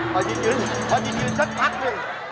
พอยืนพอจะยืนสักพักหนึ่ง